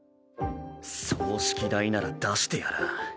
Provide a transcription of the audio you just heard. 葬式代なら出してやらぁ。